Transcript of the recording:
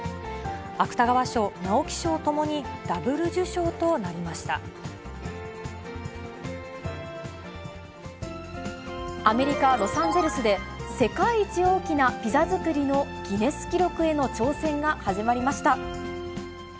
芥川賞、直木賞ともにダブル受賞アメリカ・ロサンゼルスで、世界一大きなピザ作りのギネス記録への挑戦が始まりました。